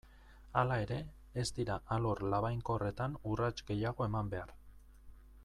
Hala ere, ez dira alor labainkorretan urrats gehiago eman behar.